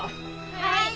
はい！